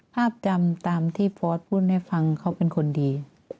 ภาพจำตามที่พอร์ตพูดให้ฟังเขาเป็นคนดี